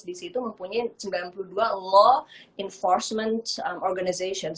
dc itu mempunyai sembilan puluh dua law enforcement organization